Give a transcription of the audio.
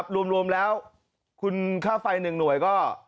รวมแล้วคุณค่าไฟ๑หน่วยก็